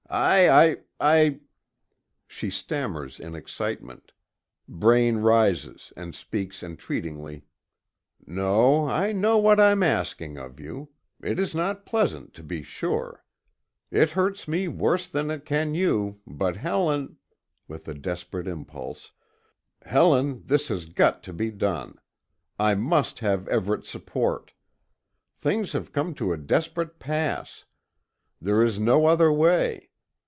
I I I " She stammers in excitement. Braine rises and speaks entreatingly: "No, I know what I am asking of you. It is not pleasant, to be sure. It hurts me worse than it can you, but, Helen " with a desperate impulse "Helen, this has got to be done. I must have Everet's support. Things have come to a desperate pass. There is no other way.